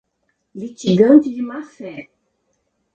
litigante de má-fé